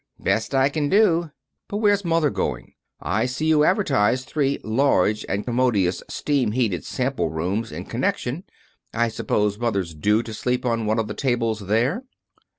"Best I can do." "But where's mother going? I see you advertise three 'large and commodious steam heated sample rooms in connection.' I suppose mother's due to sleep on one of the tables there."